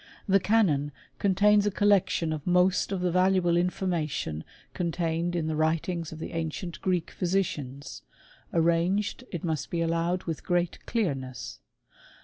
The Canon contains a collection of most of the valuable information contained in the writings of the ancient Greek physicians, arranged, it must be allow ed, with great clearness.